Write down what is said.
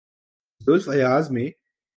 زلف ایاز میں۔